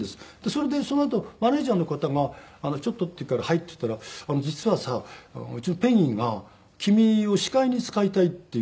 それでそのあとマネジャーの方が「ちょっと」って言うから「はい」って言ったら「実はさうちのペギーが君を司会に使いたいって言うんだ」って言って。